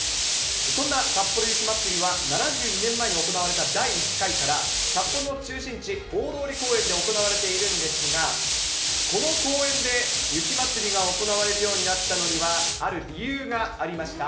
そんなさっぽろ雪まつりは、７２年前に行われた第１回から、札幌の中心地、大通公園で行われているんですが、この公園で雪まつりが行われるようになったのには、ある理由がありました。